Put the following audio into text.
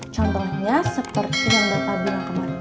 contohnya seperti yang bapak bilang kemarin